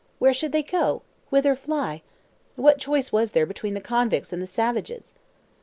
Where should they go? Whither fly? What choice was there between the convicts and the savages?